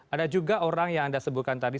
ada juga orang yang anda sebutkan tadi